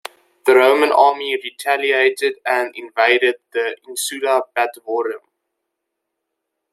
The Roman army retaliated and invaded the "insula Batavorum".